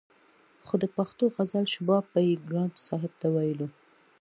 خو د پښتو غزل شباب به يې ګران صاحب ته ويلو